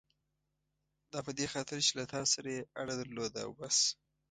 دا په دې خاطر چې له تا سره یې اړه درلوده او بس.